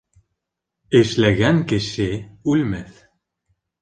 Эшләгән кеше үлмәҫ.